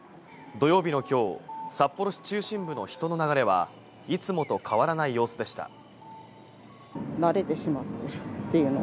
土曜日の今日、札幌市中心部の人の流れは、いつもと変わらない様子でした。